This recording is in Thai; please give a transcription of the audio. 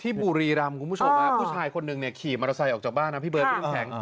ที่บุรีรามคุณผู้ชมผู้ชายคนหนึ่งขี่มอเตอร์ไซค์ออกจากบ้าน